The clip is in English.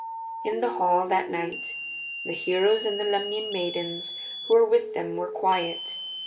In the hall that night the heroes and the Lemnian maidens who were with them were quiet.